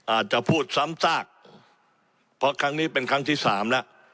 อาจจะพูดซ้ำซากเพราะครั้งนี้เป็นครั้งที่สามแล้ว